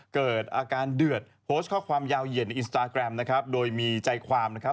เกิดอาการเดือดโพสต์ข้อความยาวเหยียนในอินสตาแกรมนะครับโดยมีใจความนะครับ